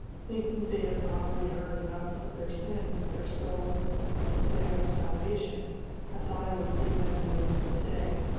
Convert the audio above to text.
Thinking they had probably heard enough of their sins, their souls, and the plan of salvation, I thought I would give them the news of the day.